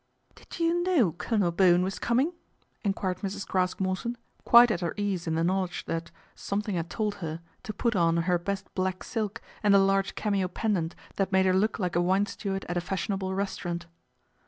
" Did you know Colonel Bowen was coming ?" enquired Mrs. Craske Morton, quite at her ease in the knowledge that " something had told her " to put on her best black silk and the large cameo pendant that made her look like a wine steward at a fashionable restaurant.